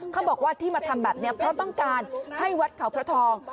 เขาบอกว่าที่มาทำแบบนี้เพราะต้องการให้วัดเขาพระทอง